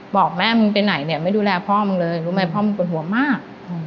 บอกแม่มันไปไหนไม่ดูแลพ่อมันเลยรู้ไหมพ่อมันปลดหัวมาก